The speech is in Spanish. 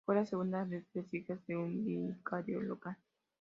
Fue la segunda de tres hijas de un vicario local.